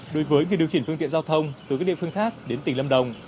đối với người điều khiển phương tiện giao thông từ các địa phương khác đến tỉnh lâm đồng